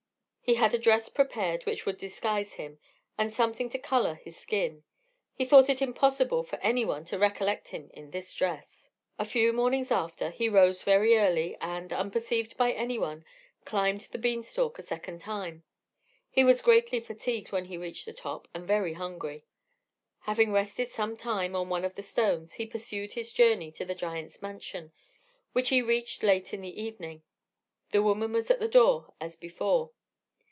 He had a dress prepared which would disguise him, and something to colour his skin; he thought it impossible for any one to recollect him in this dress. A few mornings after, he rose very early, and, unperceived by any one, climbed the bean stalk a second time. He was greatly fatigued when he reached the top, and very hungry. Having rested some time on one of the stones, he pursued his journey to the giant's mansion, which he reached late in the evening: the woman was at the door as before.